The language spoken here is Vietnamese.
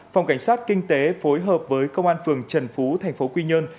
phòng cảnh sát kinh tế phối hợp với công an phường trần phú thành phố quy nhơn